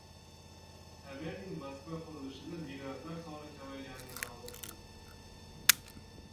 Sobyanin Moskva qurilishlarida migrantlar soni kamayganini ma’lum qildi